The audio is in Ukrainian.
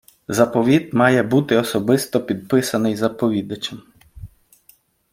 Заповіт має бути особисто підписаний заповідачем.